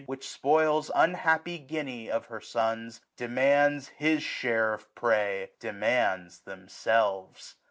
Which spoils unhappy Guinea of her sons, 1020 Demands his share of prey ; demands themselves.